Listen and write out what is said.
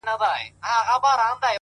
همدا اوس وايم درته!!